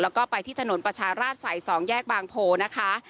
แล้วก็ไปที่ถนนประชาราชสาย๒แยกบางโพนะคะ